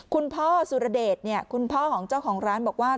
คุณพ่อสุรเดชคุณพ่อของเจ้าของร้านบอกว่า